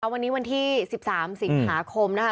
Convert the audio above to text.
วันนี้วันที่๑๓สิงหาคมนะคะ